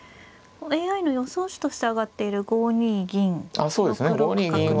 ＡＩの予想手として挙がっている５二銀６六角成。